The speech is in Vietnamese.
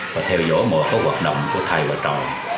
và theo dõi mọi phương hoạt động của thầy và trò